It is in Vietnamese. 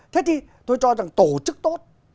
thế thì tôi cho rằng tổ chức tốt